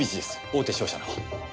大手商社の。